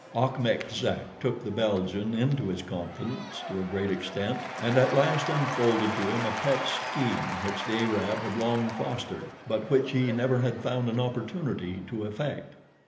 Achmet Zek took the Belgian into his confidence to a great extent, and at last unfolded to him a pet scheme which the Arab had long fostered, but which he never had found an opportunity to effect.